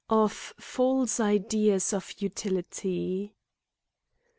Of false Ideas of Utility.